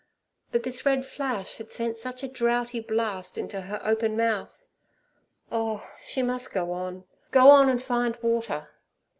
But this red flash had sent such a droughty blast into her open mouth. Oh! she must go on—go on and find water.